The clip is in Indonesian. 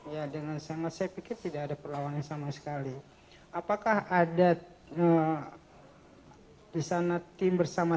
ya dengan sangat saya pikir tidak ada perlawanan sama sekali apakah ada di sana tim bersama